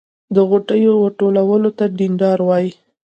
د غوټیو ورتولو ته ډنډار وایی.